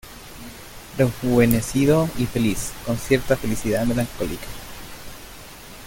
rejuvenecido y feliz, con cierta felicidad melancólica